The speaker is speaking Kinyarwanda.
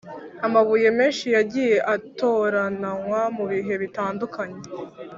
amabuye menshi yagiye atorananywa mu bihe bitandukanye,